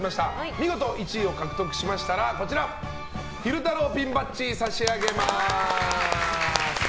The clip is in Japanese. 見事１番を獲得しましたら昼太郎ピンバッジを差し上げます。